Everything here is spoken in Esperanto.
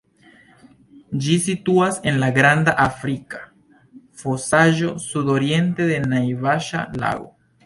Ĝi situas en la Granda Afrika Fosaĵo, sudoriente de Naivaŝa-lago.